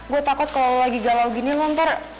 gue takut kalau lo lagi galau gini lo ntar